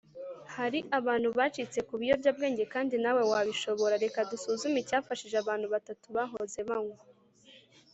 Hari abantu bacitse ku biyobyabwenge kandi nawe wabishobora Reka dusuzume icyafashije abantu batatu bahoze banywa